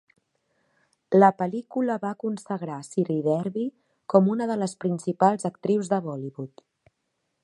La pel·lícula va consagrar Sridevi com una de les principals actrius de Bollywood.